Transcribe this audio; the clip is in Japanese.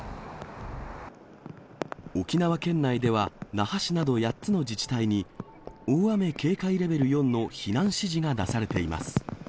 沖縄県内では、那覇市など８つの自治体に、大雨警戒レベル４の避難指示が出されています。